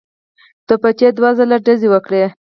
توپچي دوه ځلي ډزې وکړې.